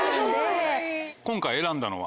今回選んだのは？